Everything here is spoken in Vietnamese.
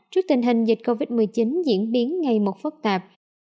trước tình hình dịch covid một mươi chín diễn biến ngày một phức tạp